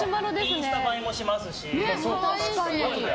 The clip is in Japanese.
インスタ映えもしますし。